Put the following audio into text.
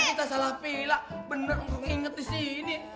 masa kita salah pila bener gue nginget di sini